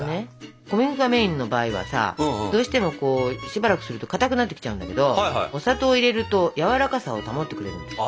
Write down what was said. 小麦粉がメインの場合はさどうしてもしばらくするとかたくなってきちゃうんだけどお砂糖を入れるとやわらかさを保ってくれるんです。